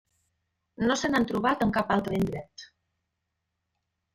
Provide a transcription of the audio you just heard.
No se n'ha trobat en cap altre indret.